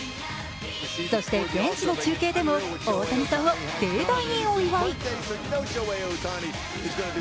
そして現地の中継でも大谷さんを盛大にお祝い。